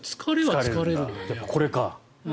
これか。